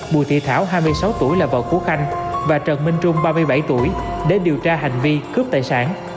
bùi thị thảo hai mươi sáu tuổi là vợ của khanh và trần minh trung ba mươi bảy tuổi để điều tra hành vi cướp tài sản